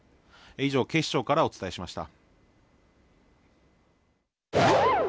以上、警視庁からお伝えしました。